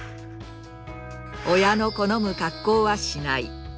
親の好む格好はしない。